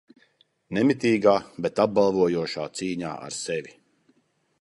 Nemitīgā, bet apbalvojošā cīņā ar sevi.